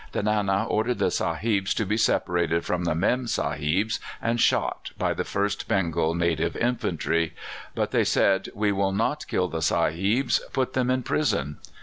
The Nana ordered the sahibs to be separated from the mem sahibs, and shot by the 1st Bengal Native Infantry. But they said, 'We will not kill the sahibs; put them in prison.